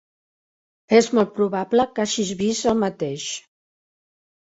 És molt probable que hagis vist el mateix.